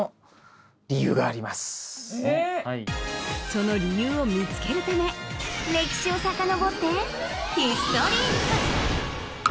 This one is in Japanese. その理由を見つけるため歴史をさかのぼってヒストリップ！